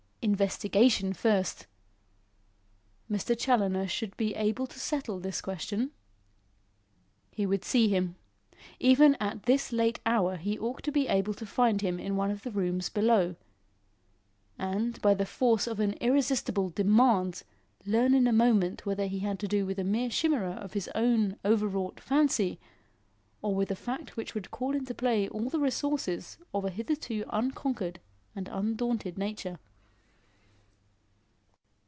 investigation first. Mr. Challoner should be able to settle this question. He would see him. Even at this late hour he ought to be able to find him in one of the rooms below; and, by the force of an irresistible demand, learn in a moment whether he had to do with a mere chimera of his own overwrought fancy, or with a fact which would call into play all the resources of an hitherto unconquered and undaunted nature.